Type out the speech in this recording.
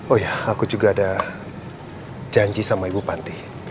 oh ya aku juga ada janji sama ibu panti